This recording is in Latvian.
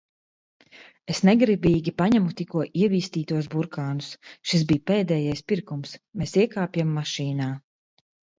Es negribīgi paņemu tikko ievīstītos burkānus. Šis bija pēdējais pirkums. Mēs iekāpjam mašīnā.